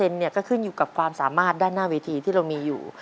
ก็ขึ้นอยู่กับความสามารถด้านหน้าเวทีที่เรามีอยู่